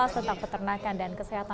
tentang peternakan dan kesehatan